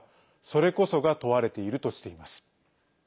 それこそが問われているとしています。